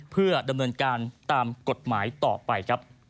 เพื่อดำเนินการตามกฎหมายต่อไปครับ